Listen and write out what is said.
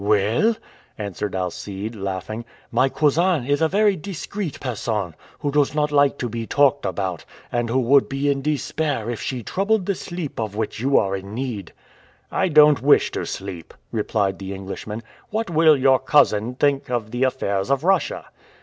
"Well," answered Alcide, laughing, "my cousin is a very discreet person, who does not like to be talked about, and who would be in despair if she troubled the sleep of which you are in need." "I don't wish to sleep," replied the Englishman. "What will your cousin think of the affairs of Russia?"